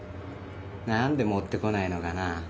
なんで持ってこないのかな？